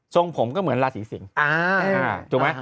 สองผมก็เหมือนลาศีสิงส์